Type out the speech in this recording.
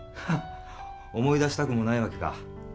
思い出したくもないわけか。